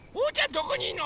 どこにいんの？